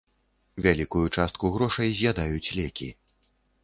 Вялікую частку грошай з'ядаюць лекі.